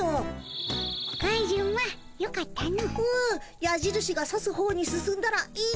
やじるしが指すほうに進んだらいいことがあった。